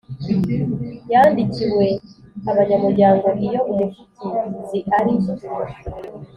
yandikiwe abanyamuryango Iyo Umuvugiziari